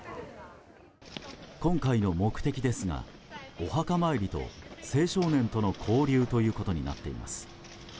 今回の目的ですがお墓参りと青少年との交流ということになっています。